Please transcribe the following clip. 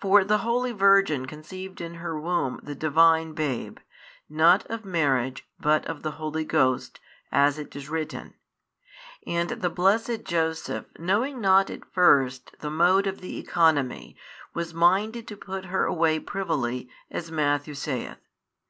For the holy Virgin conceived in her womb the Divine Babe, not of marriage but of the Holy Ghost, as it is written. And the blessed Joseph knowing not at first the mode of the economy was minded to put her away privily, as Matthew saith.